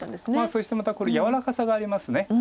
そしてまた柔らかさがあります。